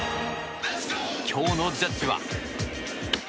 今日のジャッジは。